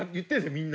みんな。